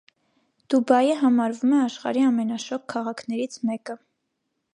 Դուբայը համարվում է աշխարհի ամենաշոգ քաղաքներից մեկը։